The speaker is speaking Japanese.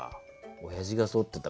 おやじがそってた。